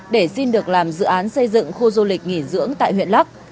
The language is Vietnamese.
để xin được làm dự án xây dựng khu du lịch nghỉ dưỡng tại huyện lắc